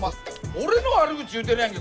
俺の悪口言うとるやんけ